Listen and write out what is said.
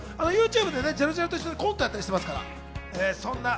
ＹｏｕＴｕｂｅでジャルジャルと一緒にコントもやったりしてますから。